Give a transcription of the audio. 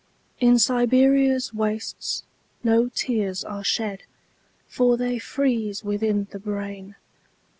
In Siberia's wastesNo tears are shed, For they freeze within the brain.